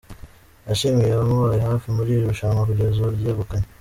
Yashimiye abamubaye hafi muri iri rushanwa kugeza aryegukanye.